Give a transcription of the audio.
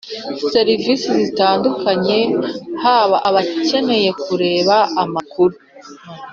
serivisi zitandukanye haba abakeneye kureba amakuru